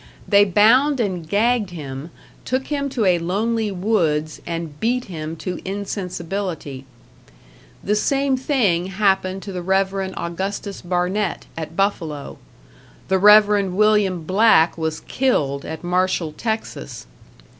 They bound and gagged him, took him to a lonely woods, and beat him to insensibility. The same thing happened to the Rev. Augustus Barnett, at Buffalo; the Rev. William Black was killed at Marshall, Texas.